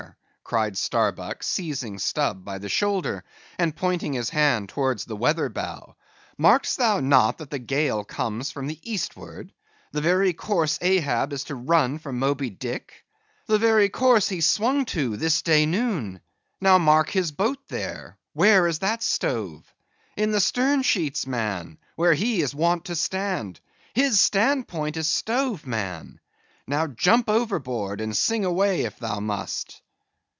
cried Starbuck, seizing Stubb by the shoulder, and pointing his hand towards the weather bow, "markest thou not that the gale comes from the eastward, the very course Ahab is to run for Moby Dick? the very course he swung to this day noon? now mark his boat there; where is that stove? In the stern sheets, man; where he is wont to stand—his stand point is stove, man! Now jump overboard, and sing away, if thou must!